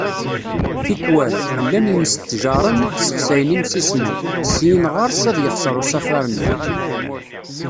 Tikwal, llan yimestjaren i yessexsayen imsismeḍ, syin ɣer-s, ad yexser usafar-nni.